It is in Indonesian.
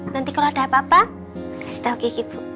nanti kalau ada apa apa kasih tahu kiki bu